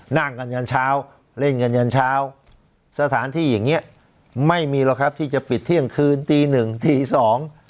นั่งกันยันเช้าเล่นกันยันเช้าสถานที่อย่างเงี้ยไม่มีหรอกครับที่จะปิดเที่ยงคืนตีหนึ่งตีสอง